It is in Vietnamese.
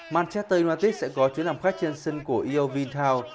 manchester united sẽ có chuyến làm khách trên sân của eo vintow